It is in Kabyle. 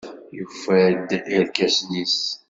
Yufa-d irkasen-nnes.